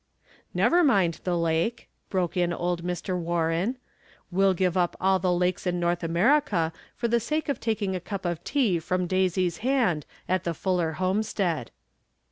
" Never mind the lake," broke in old Mr. War ren, "we'll give up all the lakes in North America for the sake of taking a cup of tea from Daisy's hand at the Fuller homestead."